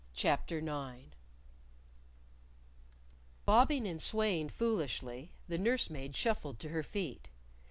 CHAPTER IX Bobbing and swaying foolishly, the nurse maid shuffled to her feet.